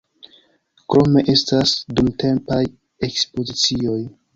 Krome estas dumtempaj ekspozicioj.